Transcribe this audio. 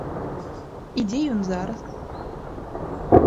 І дзе ён зараз?